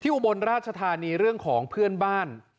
อุบลราชธานีเรื่องของเพื่อนบ้าน